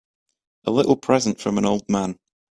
A little present from old man.